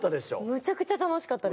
むちゃくちゃ楽しかった。